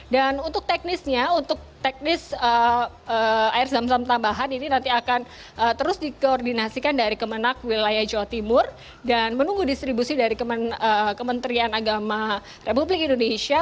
dan untuk teknisnya untuk teknis air zam zam tambahan ini nanti akan terus dikoordinasikan dari kemenang wilayah jawa timur dan menunggu distribusi dari kementerian agama republik indonesia